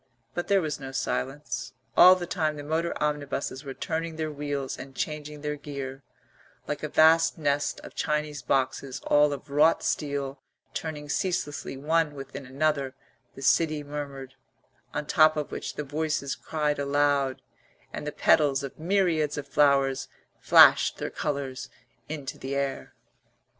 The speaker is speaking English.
But there was no silence; all the time the motor omnibuses were turning their wheels and changing their gear; like a vast nest of Chinese boxes all of wrought steel turning ceaselessly one within another the city murmured; on the top of which the voices cried aloud and the petals of myriads of flowers flashed their colours into the air.